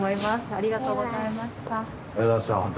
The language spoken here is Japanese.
ありがとうございます。